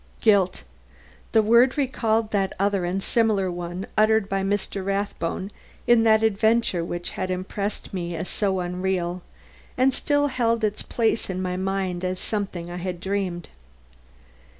Guilt! The word recalled that other and similar one uttered by Mr. Rathbone in that adventure which had impressed me as so unreal, and still held its place in my mind as something I had dreamed.